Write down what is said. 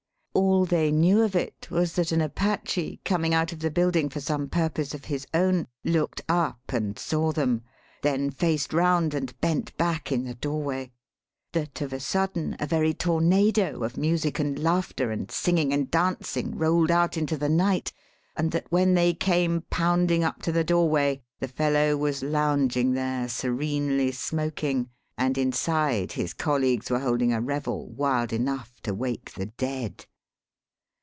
All they knew of it was that an Apache coming out of the building for some purpose of his own looked up and saw them, then faced round and bent back in the doorway; that of a sudden a very tornado of music and laughter and singing and dancing rolled out into the night, and that when they came pounding up to the doorway, the fellow was lounging there serenely smoking; and, inside, his colleagues were holding a revel wild enough to wake the dead.